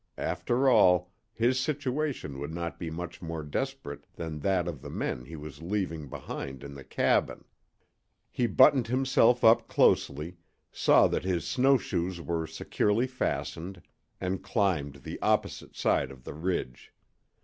After all, his situation would not be much more desperate than that of the men he was leaving behind in the cabin. He buttoned himself up closely, saw that his snow shoes were securely fastened, and climbed the opposite side of the ridge.